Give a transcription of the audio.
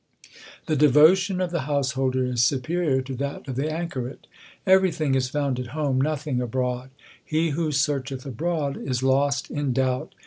The devotion of the householder is superior to that of the anchoret : Everything is found at home, nothing abroad : He who searcheth abroad is lost in doubt.